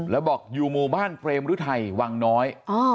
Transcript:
แล้วบอกอยู่หมู่บ้านเปรมฤทัยวังน้อย